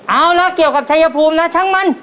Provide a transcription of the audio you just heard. เอาละเกี่ยวกับชายภูมินะช่างมัน